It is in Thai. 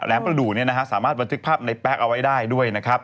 ประดูกสามารถบันทึกภาพในแป๊กเอาไว้ได้ด้วยนะครับ